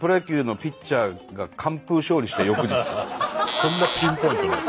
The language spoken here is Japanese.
そんなピンポイントで。